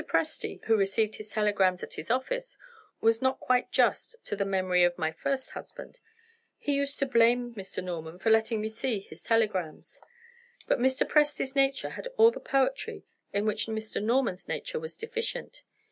Presty (who received his telegrams at his office) was not quite just to the memory of my first husband. He used to blame Mr. Norman for letting me see his telegrams. But Mr. Presty's nature had all the poetry in which Mr. Norman's nature was deficient.